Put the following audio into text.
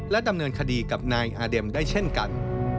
ดำเนินคดีกับนายอาเด็มได้เช่นกัน